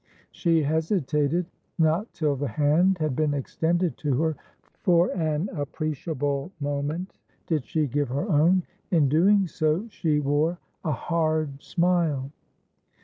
She hesitated. Not till the hand had been extended to her for an appreciable moment, did she give her own. In doing so, she wore a hard smile.